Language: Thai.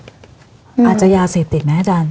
อาจจะยาเสพติดไหมอาจารย์